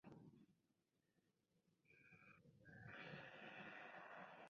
Es una de las obras más conocidas del compositor.